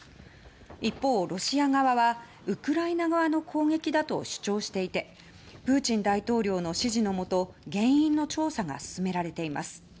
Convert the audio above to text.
一方、ロシア側はウクライナ側の攻撃だと主張していてプーチン大統領の指示のもと原因の調査が進められています。